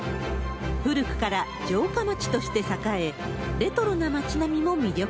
古くから城下町として栄え、レトロな町並みも魅力。